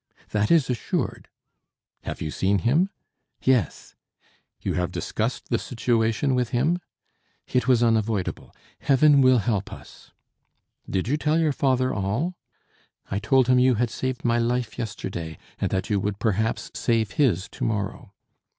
"That is assured." "Have you seen him?" "Yes." "You have discussed the situation with him?" "It was unavoidable. Heaven will help us." "Did you tell your father all?" "I told him you had saved my life yesterday, and that you would perhaps save his to morrow."